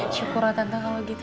syukur atas kamu gitu